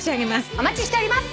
お待ちしております。